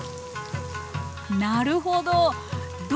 なるほど！